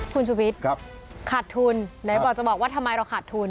คุณชุวิตขาดทุนไหนบอกจะบอกว่าทำไมเราขาดทุน